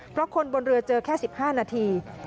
เพราะคนบนเรือเจอแค่๑๕นาที